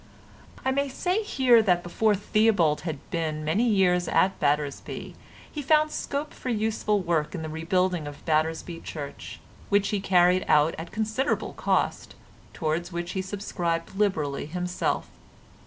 I may say here that before Theobald had been many years at Battersby he found scope for useful work in the rebuilding of Battersby church, which he carried out at considerable cost, towards which he subscribed liberally himself.